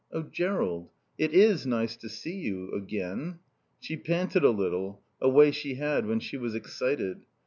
"Oh, Jerrold it is nice to see you again." She panted a little, a way she had when she was excited.